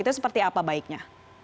itu seperti apa baiknya